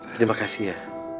terima kasih ya